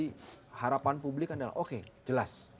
tadi harapan publik kan adalah oke jelas